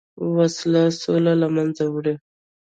وسله سوله له منځه وړي